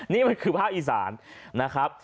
นี่มันคือภาคอีสานนะครับ